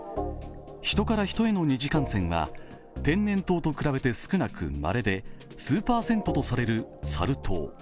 ヒトからヒトへの二次感染は天然痘と比べて少なくまれで数％とされるサル痘。